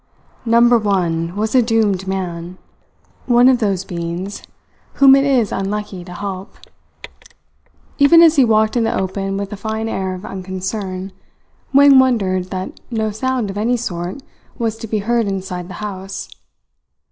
Number One was a doomed man one of those beings whom it is unlucky to help. Even as he walked in the open with a fine air of unconcern, Wang wondered that no sound of any sort was to be heard inside the house.